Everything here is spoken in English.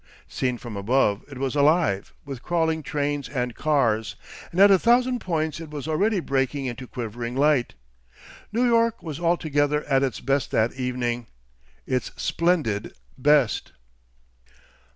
Seen from above it was alive with crawling trains and cars, and at a thousand points it was already breaking into quivering light. New York was altogether at its best that evening, its splendid best.